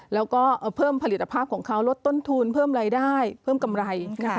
แล้วก็เพิ่มผลิตภาพของเขาลดต้นทุนเพิ่มรายได้เพิ่มกำไร